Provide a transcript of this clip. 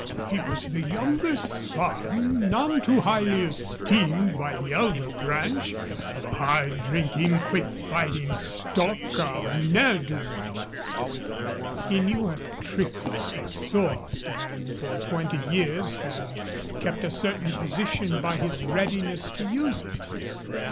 He was the younger son, none too highly esteemed by the elder branch, of a hard drinking, quick fighting stock of ne'er do wells. He knew a trick with a sword, and for twenty years had kept a certain position by his readiness to use it.